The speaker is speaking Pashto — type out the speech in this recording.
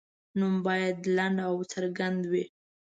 نوم باید لنډ او څرګند وي.